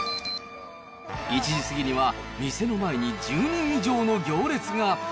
１時過ぎには、店の前に１０人以上の行列が。